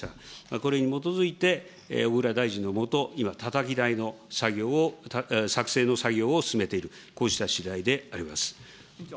これに基づいて、小倉大臣の下、今、たたき台の作業を、作成の作業を進めている、こうしたしだいであります。